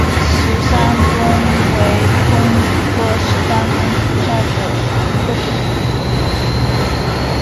石山棕为棕榈科石山棕属下的一个种。